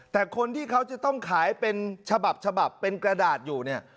แต่คนที่เขาจะต้องขายเป็นฉบับฉบับเป็นกระดาษอยู่เนี่ย